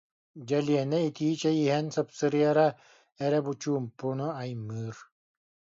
Дьэлиэнэ итии чэй иһэн сыпсырыйара эрэ бу чуумпуну аймыыр